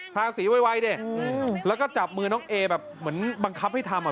ทาสีไวดิแล้วก็จับมือน้องเอแบบเหมือนบังคับให้ทำอ่ะ